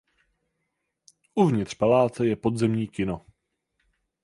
Uvnitř paláce je podzemní kino.